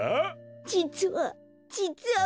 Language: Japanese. じつはじつはボク。